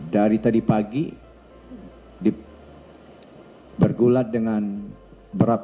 terlebih pers tek figurezt empat puluh lima tuntung hayat